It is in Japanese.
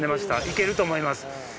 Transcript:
行けると思います。